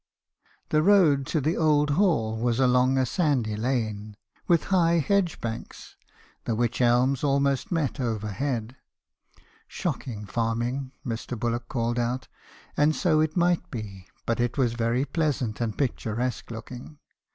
"The road to the old hall was along a sandy lane, with high hedge banks ; the wych elms almost met over head. ' Shocking farming!' Mr. Bullock called out; and so it might be, but it was very pleasant and picturesque looking.